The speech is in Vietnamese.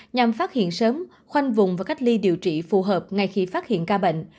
nhằm phát hiện sớm khoanh vùng và cách ly điều trị phù hợp ngay khi phát hiện ca bệnh